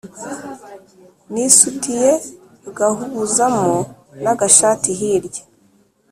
Nisutiye ugahubuzamo nagashati hirya